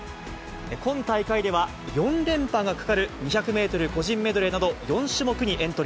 今大会では、４連覇がかかる２００メートル個人メドレーなど４種目にエントリ